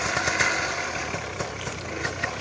และที่สุดท้ายและที่สุดท้าย